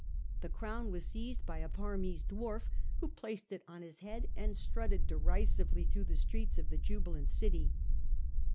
The Crown was seized by a Parmese dwarf, who placed it on his head and strutted derisively through the streets of the jubilant city.